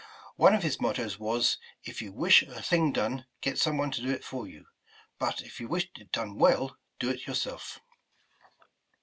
One of his mottoes was :'' If you wish a thing done, get some one to do it for you; but if you wish it done well, do it yourself."